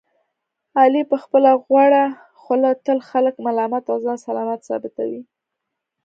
علي په خپله غوړه خوله تل خلک ملامت او ځان سلامت ثابتوي.